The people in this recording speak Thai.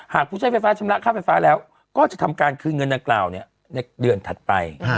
ผู้ใช้ไฟฟ้าชำระค่าไฟฟ้าแล้วก็จะทำการคืนเงินดังกล่าวในเดือนถัดไป